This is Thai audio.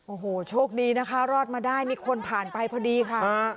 โอ้โหโชคดีนะคะรอดมาได้มีคนผ่านไปพอดีค่ะ